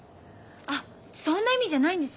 あっそんな意味じゃないんです。